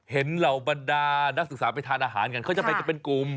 เหล่าบรรดานักศึกษาไปทานอาหารกันเขาจะไปกันเป็นกลุ่ม